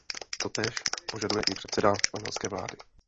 Totéž požaduje i předseda španělské vlády.